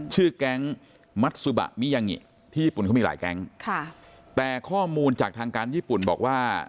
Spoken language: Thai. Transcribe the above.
ชื่อแก๊งมัสสุบะมิยางิที่ญี่ปุ่นเขามีหลายแก๊งค่ะแต่ข้อมูลจากทางการญี่ปุ่นบอกว่า